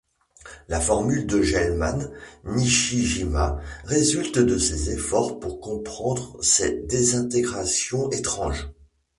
La formule de Gell-Mann–Nishijima résulte de ces efforts pour comprendre ces désintégrations étranges.